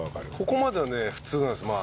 ここまではね普通なんですよ。